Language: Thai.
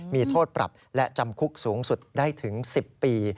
มีโทษปรับและจำคุกสูงสุดได้ถึง๑๐ปี